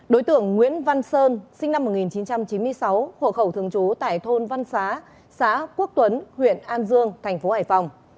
đối tượng nguyễn văn sơn sinh năm một nghìn chín trăm chín mươi sáu hộ khẩu thường trú tại thôn văn xá xã quốc tuấn huyện an dương thành phố hải phòng